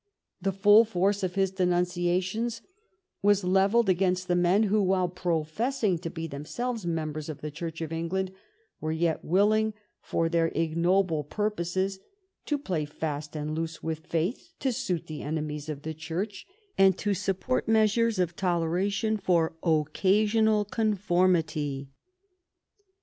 The full force of his denunciations was levelled against the men who, while professing to be themselves members of the Church of England, were yet willing for their ignoble purposes to " play fast and loose with faith " to suit the enemies of the Church, and to support measures of toleration for ^^ occasional conformity."